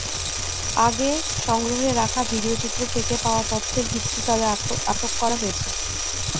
আগে সংগ্রহে রাখা ভিডিওচিত্র থেকে পাওয়া তথ্যের ভিত্তিতে তাঁদের আটক করা হয়েছে।